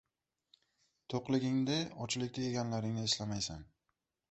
• To‘qliginigda ochlikda yeganlaringni eslamaysan.